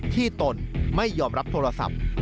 ตนไม่ยอมรับโทรศัพท์